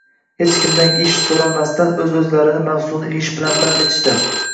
hech kimdan ish so‘ramasdan o‘z-o‘zlarini mavsumiy ish bilan band etishdi.